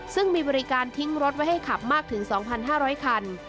ซึ่งมีบริการทิ้งรถไว้ให้ขับมากถึง๒๕๐๐คัน